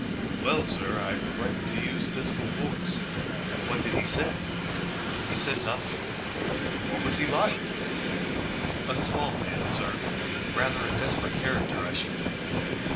"Well, sir, I threatened to use physical force." "What did he say?" "He said nothing." "What was he like?" "A tall man, sir. Rather a desperate character, I should think."